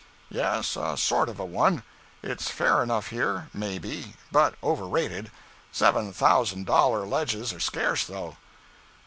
"Yes, a sort of a one. It's fair enough here, may be, but overrated. Seven thousand dollar ledges are scarce, though.